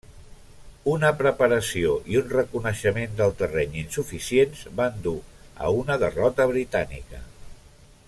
Una preparació i un reconeixement del terreny insuficients van dur a una derrota britànica.